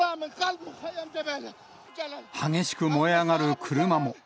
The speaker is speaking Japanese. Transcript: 激しく燃え上がる車も。